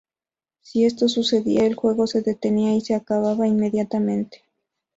Si esto sucedía, el juego se detenía y se acababa inmediatamente.